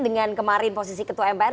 dengan kemarin posisi ketua mpr